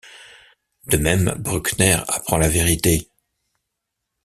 De même, Bruckner apprend la vérité.